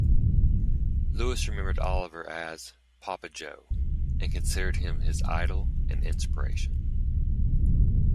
Louis remembered Oliver as "Papa Joe" and considered him his idol and inspiration.